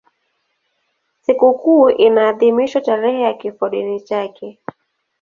Sikukuu inaadhimishwa tarehe ya kifodini chake.